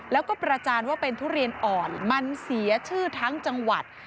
แล้วก็ประจานว่าเป็นทุเรียนอ่อนมันเสียชื่อทั้งจังหวัด